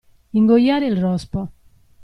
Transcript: Ingoiare il rospo.